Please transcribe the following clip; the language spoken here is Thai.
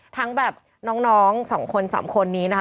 ทั้งแบบน้อง๒คน๓คนนี้นะคะ